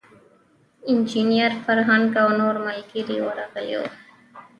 انجینیر فرهنګ او نور ملګري ورغلي وو.